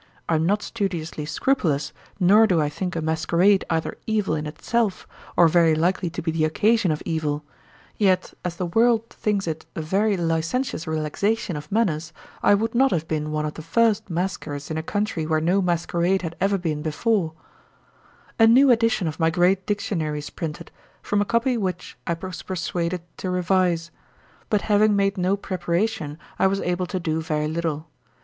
I am not studiously scrupulous, nor do I think a masquerade either evil in itself, or very likely to be the occasion of evil; yet as the world thinks it a very licentious relaxation of manners, I would not have been one of the first masquers in a country where no masquerade had ever been before. 'A new edition of my great Dictionary is printed, from a copy which I was persuaded to revise; but having made no preparation, I was able to do very little.